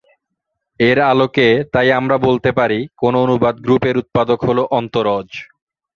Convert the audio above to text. এর আলোকে তাই আমরা বলতে পারি কোন অনুবাদ গ্রুপের উৎপাদক হল অন্তরজ।